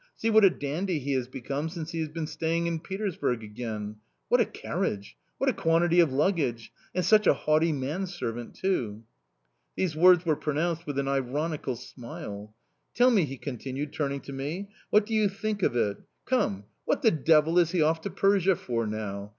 See what a dandy he has become since he has been staying in Petersburg again!... What a carriage!... What a quantity of luggage!... And such a haughty manservant too!"... These words were pronounced with an ironical smile. "Tell me," he continued, turning to me, "what do you think of it? Come, what the devil is he off to Persia for now?...